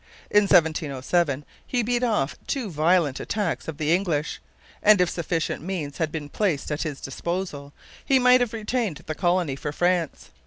In 1707 he beat off two violent attacks of the English; and if sufficient means had been placed at his disposal, he might have retained the colony for France.